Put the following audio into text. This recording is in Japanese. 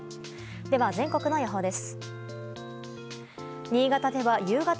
では全国の予報です。